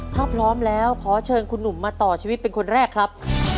ถ้าพร้อมแล้วขอเชิญคุณหนุ่มมาต่อชีวิตเป็นคนแรกครับ